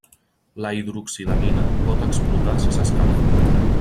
La hidroxilamina pot explotar si s'escalfa.